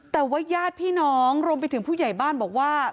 แต่ว่าญาติพี่น้องรวมไปถึงผู้ใหญ่บ้านบอกว่า